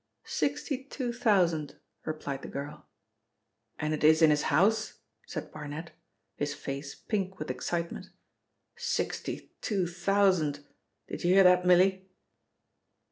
"Sixty two thousand," replied the girl. "And it is in his house?" said Barnet, his face pink with excitement. "Sixty two thousand! Did you hear that, Milly?